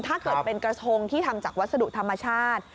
ถ้าเกิดเป็นกระทงที่ทำจากวัสดุธรรมชาติ